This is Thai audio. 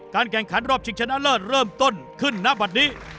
แข่งขันรอบชิงชนะเลิศเริ่มต้นขึ้นณบัตรนี้